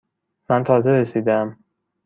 من تازه رسیده ام.